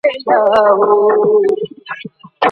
څنګه ځايي بڼوال تور جلغوزي اروپا ته لیږدوي؟